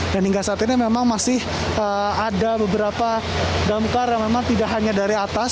dan hingga saat ini memang masih ada beberapa damkar yang memang tidak hanya dari atas